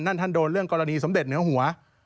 ท่านท่านโดนเรื่องกรณีสมเด็จเหนือหัว